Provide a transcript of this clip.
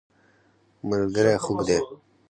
ملګری خوږ دی.